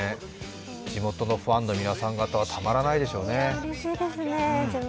地元のファンの皆さん方はたまらないでしょうね。